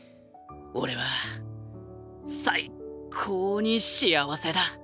俺は最高に幸せだ。